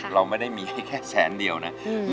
เราไม่ได้มีให้แค่แสนเดียวนะ